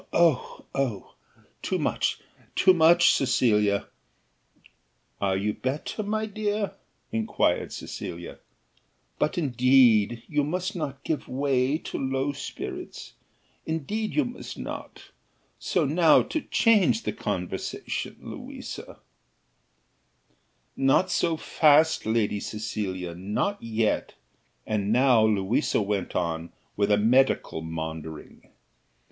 Oh, oh! too much! too much, Cecilia!" "Are you better, my dear?" inquired Cecilia; "but indeed you must not give way to low spirits; indeed, you must not: so now to change the conversation, Louisa " "Not so fast, Lady Cecilia; not yet;" and now Louisa went on with a medical maundering.